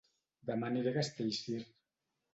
Dema aniré a Castellcir